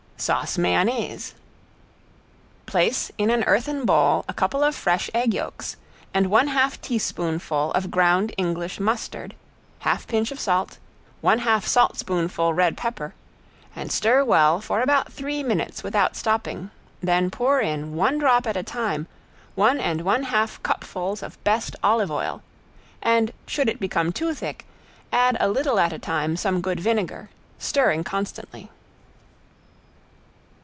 ~SAUCE MAYONNAISE~ Place in an earthen bowl a couple of fresh egg yolks and one half teaspoonful of ground English mustard, half pinch of salt, one half saltspoonful red pepper, and stir well for about three minutes without stopping, then pour in, one drop at a time, one and one half cupfuls of best olive oil, and should it become too thick, add a little at a time some good vinegar, stirring constantly.